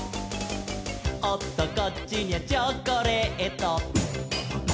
「おっとこっちにゃチョコレート」